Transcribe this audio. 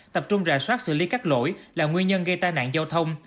tập trung rà soát xử lý các lỗi là nguyên nhân gây tai nạn giao thông